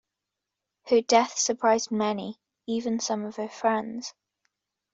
Her death surprised many, even some of her friends.